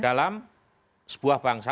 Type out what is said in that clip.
dalam sebuah bangsa